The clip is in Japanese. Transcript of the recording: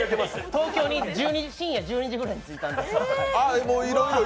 東京に深夜１２時ぐらいに着いたので。